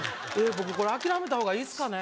僕これ諦めた方がいいすかね？